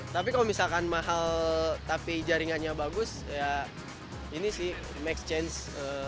tapi kalau misalkan mahal tapi jaringannya bagus ya ini sih max change